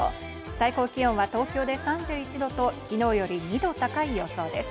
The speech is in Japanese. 最高気温は東京で３１度と昨日より２度高い予想です。